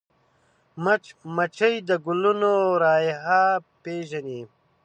مچمچۍ د ګلونو رایحه پېژني